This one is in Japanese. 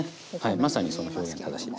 まさにその表現正しいですね。